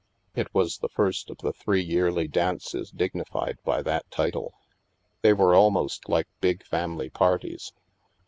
It was the first of the three yearly dances dignified by that title. They were almost like big family parties.